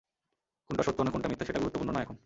কোনটা সত্য না কোনটা মিথ্যা সেটা গুরুত্বপূর্ণ নয় এখন?